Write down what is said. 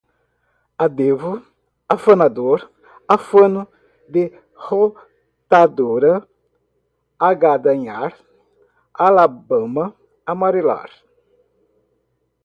adêvo, afanador, afano de rodadora, agadanhar, alabama, amarelar